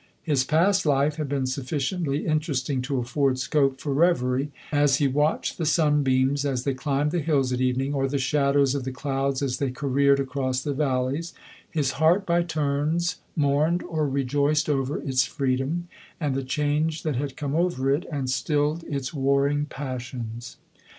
His past life had been sufficiently interesting to afford scope for reverie ; and as he watched the sunbeams as thev climbed the hills at evening, or the shadows of the clouds as they careered across the valleys, his heart by turns mourned or rejoiced over its freedom, and the change that had come over it and stilled its warring passions.